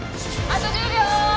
あと１０秒！